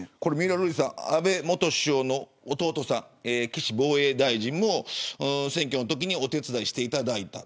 瑠麗さん、安倍元総理の弟の岸防衛大臣も選挙のときにお手伝いしていただいた。